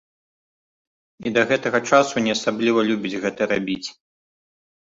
І да гэтага часу не асабліва любіць гэта рабіць.